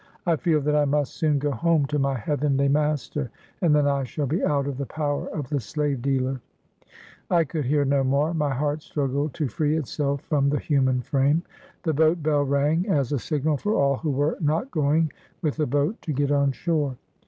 I feel that I must soon go home to my heavenly Mas ter, and then I shall be out of the power of the slave dealer/ I could hear no more; my heart struggled to free itself from the human frame. The boat bell rang, as a signal for all who were not going with the boat to get on shore.